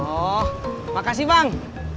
oh makasih bang